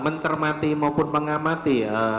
mencermati maupun mengamati